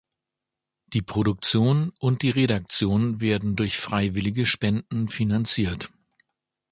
Die Produktion und die Redaktion werden durch freiwillige Spenden finanziert.